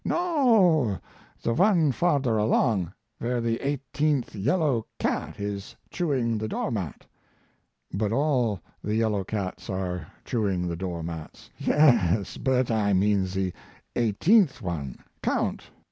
"No, the one farther along, where the eighteenth yellow cat is chewing the door mat " "But all the yellow cats are chewing the door mats." "Yes, but I mean the eighteenth one. Count.